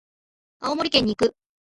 青森県に行く。